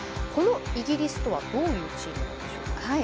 このイギリスとはどういうチームなんでしょうか。